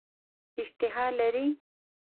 اشتها لري.